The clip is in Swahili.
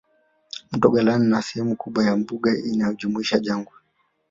Mto Galana na Sehemu kubwa ya mbuga inajumuisha jangwa